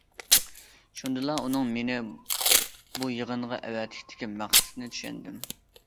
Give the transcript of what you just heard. شۇندىلا ئۇنىڭ مېنى بۇ يىغىنغا ئەۋەتىشتىكى مەقسىتىنى چۈشەندىم.